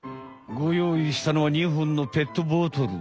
ごよういしたのは２ほんのペットボトル。